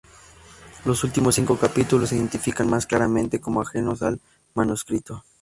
Los últimos cinco capítulos se identifican más claramente como ajenos al manuscrito.